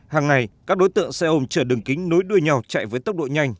hàng ngày các đối tượng xe ôm chở đường kính nối đuôi nhau chạy với tốc độ nhanh